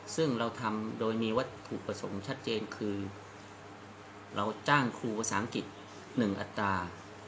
ซึ่งเราทำโดยว่าถูกประสงค์ชัดเจนคือเราจ้างครูศาลลิ๑๙๖๐ปนึงอัตรา